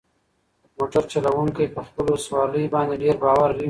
موټر چلونکی په خپلو سوارلۍ باندې ډېر باوري و.